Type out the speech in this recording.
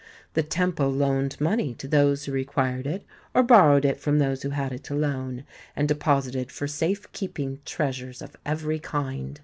The temple loaned money to those who required it, or borrowed it from those who had it to loan, and deposited for safe keeping treasures of every kind.